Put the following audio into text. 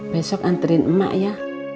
besok anterin emak ya